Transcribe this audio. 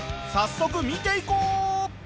早速見ていこう！